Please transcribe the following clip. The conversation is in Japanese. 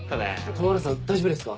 加茂原さん大丈夫ですか？